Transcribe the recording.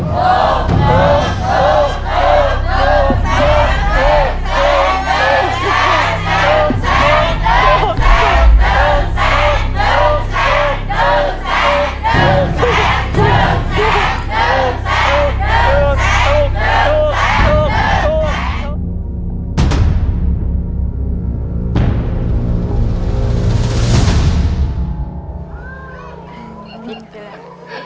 ลูกแสนลูกแสนลูกแสนลูกแสนลูกแสนลูกแสนลูกแสน